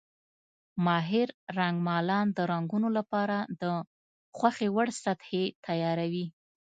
ماهر رنګمالان د رنګونو لپاره د خوښې وړ سطحې تیاروي.